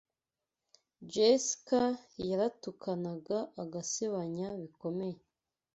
Jessica yaratukanaga agasebanya bikomeye